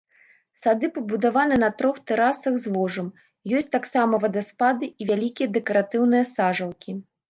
Сады пабудаваны на трох тэрасах з ложам, ёсць таксама вадаспады і вялікія дэкаратыўныя сажалкі.